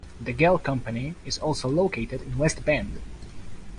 The Gehl Company is also located in West Bend.